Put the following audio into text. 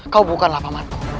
kau bukanlah pamanku